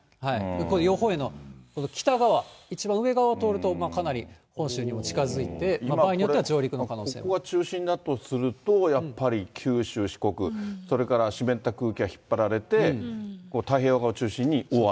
これ、予報円の北側、一番上側を通ると、かなり本州にも近づいて、ここが中心だとすると、やっぱり九州、四国、それから湿った空気に引っ張られて、太平洋側を中心に大雨？